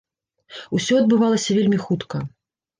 Усё адбывалася вельмі хутка.